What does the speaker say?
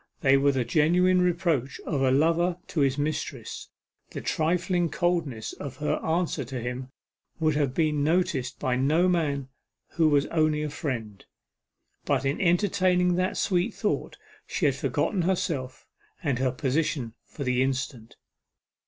They were the genuine reproach of a lover to his mistress; the trifling coldness of her answer to him would have been noticed by no man who was only a friend. But, in entertaining that sweet thought, she had forgotten herself, and her position for the instant.